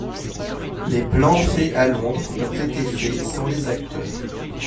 Les plans faits à Londres ont été faits sans les acteurs.